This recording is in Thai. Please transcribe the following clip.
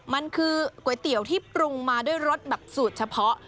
มันคือก๋วยเตี๋ยวที่ปรุงมาด้วยรสแบบสูตรเฉพาะ